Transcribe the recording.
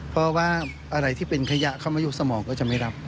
เพราะว่าอะไรที่เป็นขยะเข้ามาอยู่สมองก็จะไม่รับ